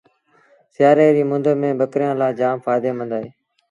سيٚآري ريٚ مند ميݩ ٻڪريآݩ لآ جآم ڦآئيدي مند اهي